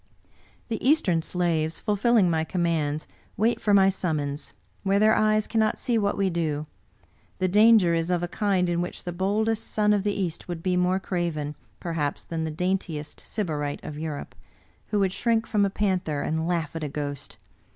"" The Eastern slaves, fulfilling my commands, wait for my summons, where their eyes cannot see what we do. The danger is of a kind in which the boldest son of the East would be more craven, perhaps, that the daintiest Sybarite of Europe, who would shrink from a panther and laugh at a ghost.